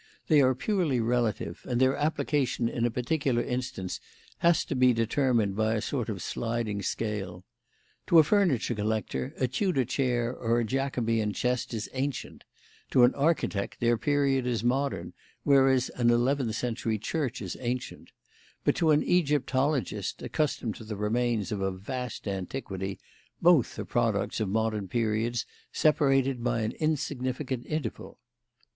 They are purely relative and their application in a particular instance has to be determined by a sort of sliding scale. To a furniture collector, a Tudor chair or a Jacobean chest is ancient; to an architect, their period is modern, whereas an eleventh century church is ancient; but to an Egyptologist, accustomed to remains of a vast antiquity, both are products of modern periods separated by an insignificant interval.